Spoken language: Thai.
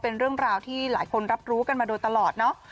เป็นเรื่องราวที่หลายคนรับรู้กันมาโดยตลอดเนาะ